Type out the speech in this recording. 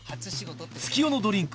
月夜野ドリンク